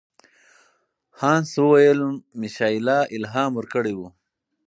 هانس وویل میشایلا الهام ورکړی و.